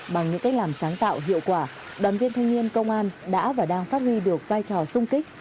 bằng những cách làm sáng tạo hiệu quả đoàn viên thanh niên công an đã và đang phát huy được vai trò sung kích